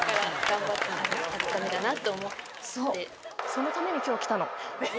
そのために今日来たの。